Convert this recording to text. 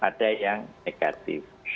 ada yang negatif